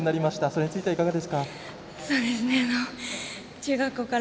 それについては、いかがでしたか。